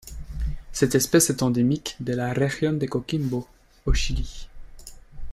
Cette espèce est endémique de la región de Coquimbo au Chili.